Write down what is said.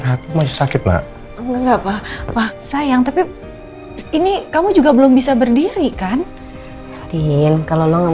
aku baik baik aja sekarang